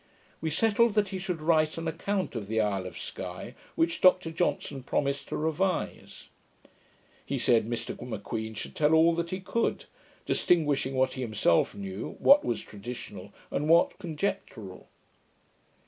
We settled, that he should write an account of the Isle of Sky, which Dr Johnson promised to revise. He said, Mr M'Queen should tell all that he could; distinguishing what he himself knew, what was traditional, and what conjectural.